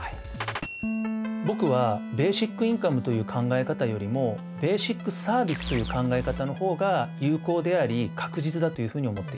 僕はベーシックインカムという考え方よりもベーシックサービスという考え方の方が有効であり確実だというふうに思っています。